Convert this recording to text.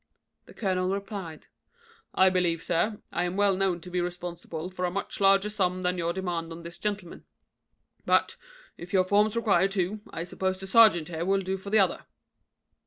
The colonel replied, "I believe, sir, I am well known to be responsible for a much larger sum than your demand on this gentleman; but, if your forms require two, I suppose the serjeant here will do for the other."